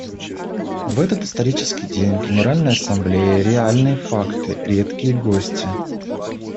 В этот исторический день в Генеральной Ассамблее реальные факты — редкие гости.